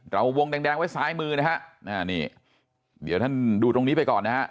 เราวงแดงไว้ซ้ายมือนะครับเดี๋ยวท่านดูตรงนี้ไปก่อนนะครับ